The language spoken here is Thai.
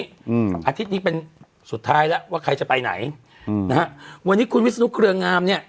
อาทิตย์นี้เป็นสุดท้ายแล้วว่าใครจะไปไหนอืมนะฮะวันนี้คุณวิศนุเครืองามเนี้ย